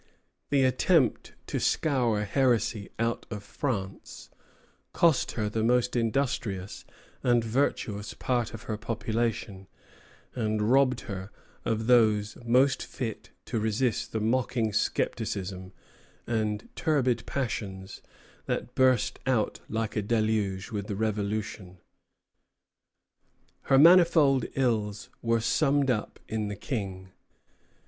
The attempt to scour heresy out of France cost her the most industrious and virtuous part of her population, and robbed her of those most fit to resist the mocking scepticism and turbid passions that burst out like a deluge with the Revolution. Her manifold ills were summed up in the King.